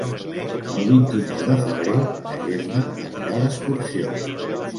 El vint-i-nou de febrer na Gemma anirà d'excursió.